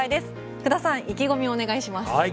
福田さん意気込みをお願いします。